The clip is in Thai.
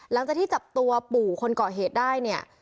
หลังจากที่จับตัวปู่คนเกาะเหตุได้เนี่ย